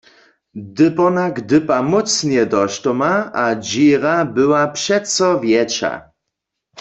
Dypornak dypa mócnje do štoma a dźěra bywa přeco wjetša.